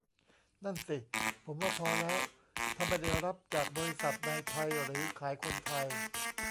นั่นสิ ผมว่าพอแล้ว ถ้าไม่ได้รับจากบริษัทในไทยหรือขายคนไทย